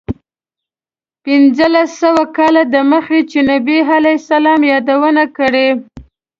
پنځلس سوه کاله دمخه چې نبي علیه السلام یادونه کړې.